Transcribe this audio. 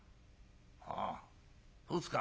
「ああそうですか。